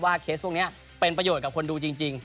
เคสพวกนี้เป็นประโยชน์กับคนดูจริง